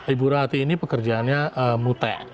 ibu rati ini pekerjaannya mute